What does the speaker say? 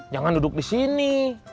jangan duduk di sini